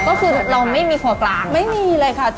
ก็คือเราไม่มีครัวกลางค่ะ